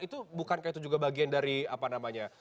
itu bukankah itu juga bagian dari apa namanya